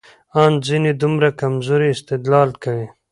ان ځينې دومره کمزورى استدلال کوي،